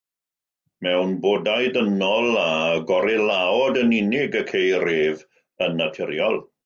Mewn bodau dynol a gorilaod yn unig y ceir ef yn naturiol.